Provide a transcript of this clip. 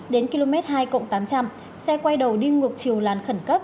đến km hai tám trăm linh xe quay đầu đi ngược chiều làn khẩn cấp